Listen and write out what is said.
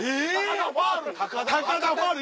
高田ファウル！